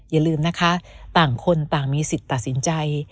อย่าลืมนะคะต่างคนต่างมีสิทธิ์ตัดสินใจ